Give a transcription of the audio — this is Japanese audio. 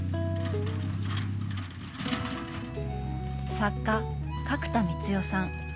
作家角田光代さん。